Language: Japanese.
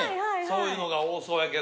そういうのが多そうやけど。